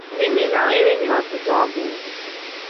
Mimi na wewe ni watoto wa mungu